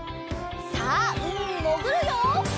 さあうみにもぐるよ！